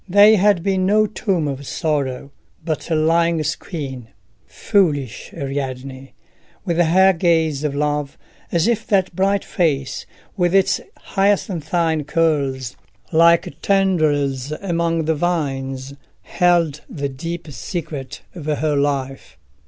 They had been no tomb of sorrow, but a lying screen. Foolish Ariadne! with her gaze of love, as if that bright face, with its hyacinthine curls like tendrils among the vines, held the deep secret of her life!